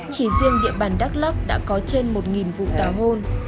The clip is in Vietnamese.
chỉ riêng địa bàn đắk lốc đã có trên một vụ tàu hôn